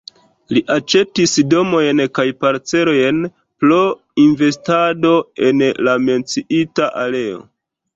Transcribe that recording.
Li aĉetis domojn kaj parcelojn pro investado en la menciita areo.